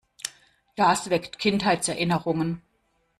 Das weckt Kindheitserinnerungen.